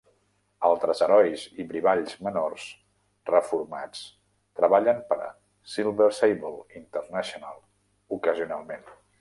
Altres herois i brivalls menors reformats treballen per a Silver Sable International ocasionalment.